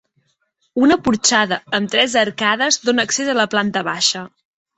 Una porxada amb tres arcades dóna accés a la planta baixa.